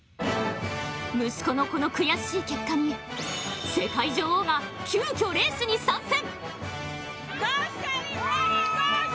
息子のこの悔しい結果に世界女王が急きょレースに参戦！